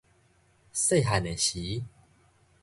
細漢个時